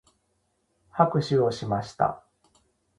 拍手をしました。